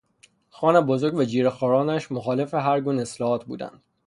خان بزرگ و جیرهخوارنش مخالف هر گونه اصلاحات بودند.